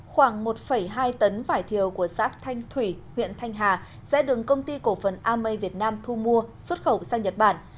khoảng một hai tấn vải thiều của xã thanh thủy huyện thanh hà sẽ được công ty cổ phần amei việt nam thu mua xuất khẩu sang nhật bản